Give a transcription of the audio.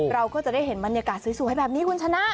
เราก็จะได้เห็นบรรยากาศสวยแบบนี้คุณชนะ